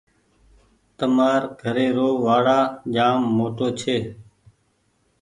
تمآر گھري رو وآڙآ جآم موٽو ڇي۔